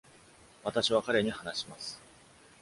私は彼に話します。